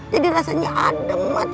jadi rasanya adem mak